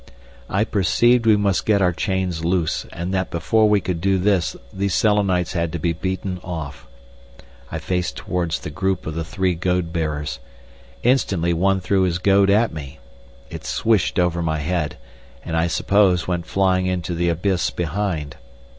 I perceived we must get our chains loose, and that before we could do this these Selenites had to be beaten off. I faced towards the group of the three goad bearers. Instantly one threw his goad at me. It swished over my head, and I suppose went flying into the abyss behind.